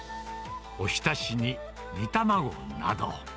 おひたしに煮卵など。